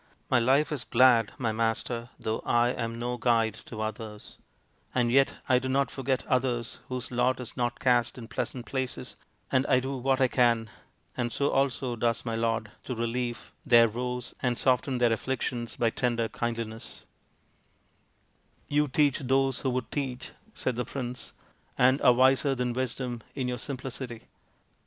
My life is glad, my Master, though I am no guide to others ; and yet I do not forget others whose lot is not cast in pleasant places, and I do what I can and so also does my lord to relieve their woes and soften their afflic tions by tender kindliness/' THE PRINCE WONDERFUL 191 " You teach those who would teach, " said the prince, " and are wiser than wisdom in your sim plicity.